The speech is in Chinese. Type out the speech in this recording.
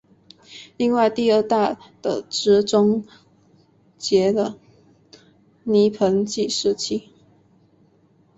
另外第二大的则终结了泥盆纪时期。